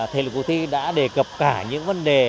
thể lực cuộc thi đã đề cập cả những vấn đề mặt trái